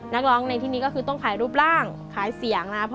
นักร้องในที่นี้ก็คือต้องขายรูปร่างขายเสียงนะครับ